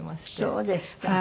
そうですか。